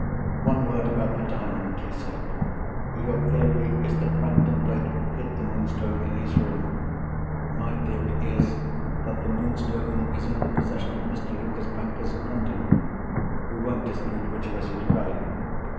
"One word about the Diamond," he said. "Your theory is that Franklin Blake hid the Moonstone in his room. My theory is, that the Moonstone is in the possession of Mr. Luker's bankers in London. We won't dispute which of us is right.